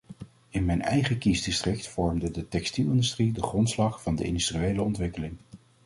In mijn eigen kiesdistrict vormde de textielindustrie de grondslag van de industriële ontwikkeling.